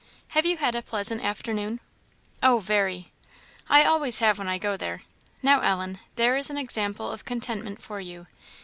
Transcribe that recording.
Have you had a pleasant afternoon?" "Oh, very!" "I always have when I go there. Now, Ellen, there is an example of contentment for you.